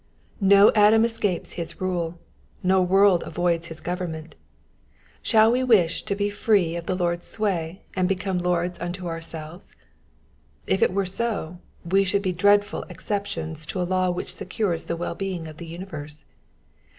No atom escapes his rule, no world avoids hia government. Shall we wish to be free of the Lord's sway and become lords unto ourselves? If we were so, we should be dreadful exceptions to a law which secures the well being of the universe.